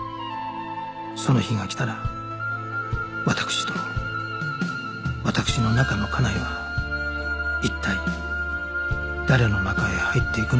その日が来たら私と私の中の家内は一体誰の中へ入っていくのだろう